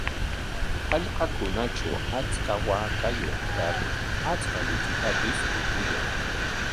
Hallqakunatraw achka waakayuq kar achka lichitapis upuyan.